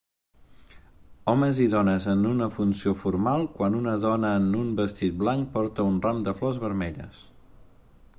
Homes i dones en una funció formal quan una dona en un vestit blanc porta un RAM de flors vermelles